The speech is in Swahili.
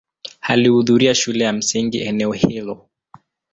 Alihudhuria shule ya msingi eneo hilo.